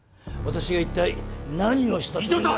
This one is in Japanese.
私が一体何をしたと。